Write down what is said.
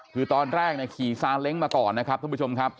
คือตอนแรกขี่ซาเล้งมาก่อนนะครับท่านผู้ชมครับ